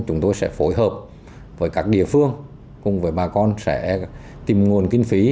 chúng tôi sẽ phối hợp với các địa phương cùng với bà con sẽ tìm nguồn kinh phí